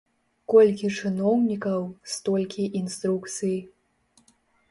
Колькі чыноўнікаў, столькі інструкцый.